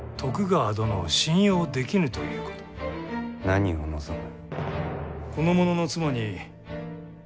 何を望む？